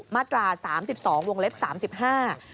มาตรา๓๒วงเล็ก๓๕